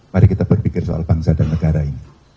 mari kita berpikir soal bangsa dan negara ini